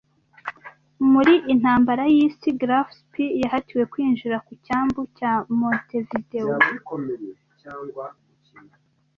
Muri intambara y'isi Graf Spee yahatiwe kwinjira ku cyambu cya Montevideo